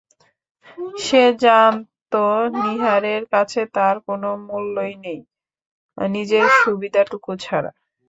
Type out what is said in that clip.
সে জানত নীহারের কাছে তার কোনো মূল্যই নেই, নিজের সুবিধাটুকু ছাড়া।